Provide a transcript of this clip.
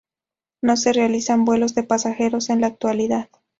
No se realizan vuelos de pasajeros en la actualidad.